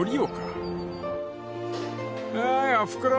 ［おーいおふくろ